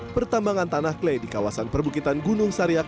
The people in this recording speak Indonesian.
pertambangan tanah kle di kawasan perbukitan gunung sariak